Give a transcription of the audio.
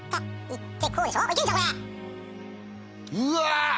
うわ！